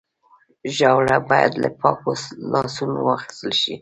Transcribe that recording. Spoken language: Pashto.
ژاوله باید له پاکو لاسونو واخیستل شي.